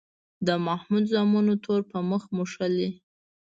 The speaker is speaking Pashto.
د محمود زامنو تور په مخ موښلی.